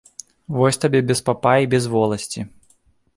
Вось табе без папа і без воласці.